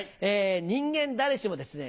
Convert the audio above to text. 人間誰しもですね